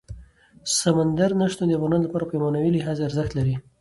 سمندر نه شتون د افغانانو لپاره په معنوي لحاظ ارزښت لري.